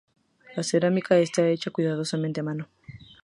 La cerámica está hecha cuidadosamente a mano.